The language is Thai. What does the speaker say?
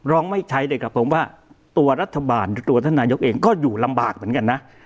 ไม่ใช้เลยครับผมว่าตัวรัฐบาลหรือตัวท่านนายกเองก็อยู่ลำบากเหมือนกันนะ